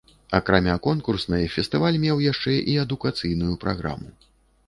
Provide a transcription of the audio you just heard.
Акрамя конкурснай, фестываль меў яшчэ і адукацыйную праграму.